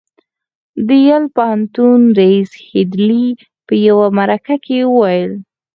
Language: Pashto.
د يل پوهنتون رييس هيډلي په يوه مرکه کې وويل.